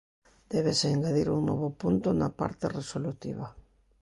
Débese engadir un novo punto na parte resolutiva: